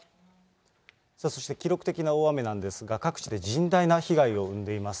そして記録的な大雨なんですが、各地で甚大な被害を生んでいます。